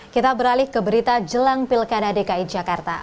kita beralih ke berita jelang pilkada dki jakarta